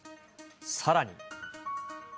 さらに。